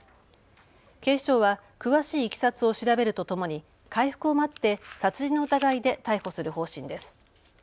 警視庁は詳しいいきさつを調べるとともに回復を待って殺人の疑いで逮捕する方針です。